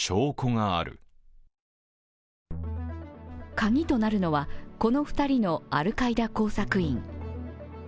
カギとなるのは、この２人のアルカイダ工作員。